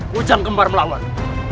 kucing kembar melawan